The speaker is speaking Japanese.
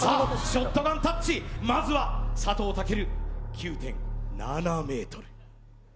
ショットガンタッチまずは佐藤健９．７メートル